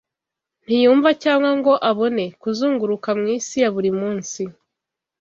Ntiyumva cyangwa ngo abone; Kuzunguruka mu isi ya buri munsi